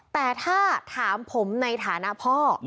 แต่ถ้าถามผมในฐานะพ่อ